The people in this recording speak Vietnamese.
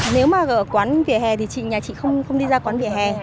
nếu mà ở quán vỉa hè thì chị nhà chị không đi ra quán vỉa hè